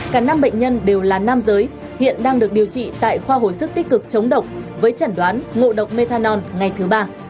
cả năm bệnh nhân đều là nam giới hiện đang được điều trị tại khoa hồi sức tích cực chống độc với chẩn đoán ngộ độc methanol ngày thứ ba